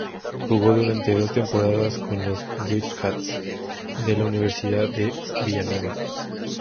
Jugó durante dos temporadas con los "Wildcats" de la Universidad de Villanova.